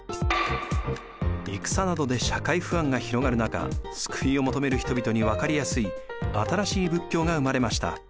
戦などで社会不安が広がる中救いを求める人々にわかりやすい新しい仏教が生まれました。